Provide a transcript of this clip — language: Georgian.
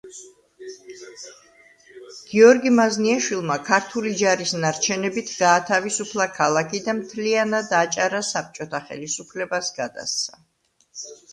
გიორგი მაზნიაშვილმა ქართული ჯარის ნარჩენებით გაათავისუფლა ქალაქი და მთლიანად აჭარა საბჭოთა ხელისუფლებას გადასცა.